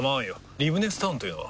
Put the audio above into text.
リブネスタウンというのは？